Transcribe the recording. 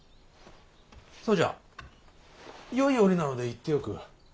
そうじゃよい折なので言っておく。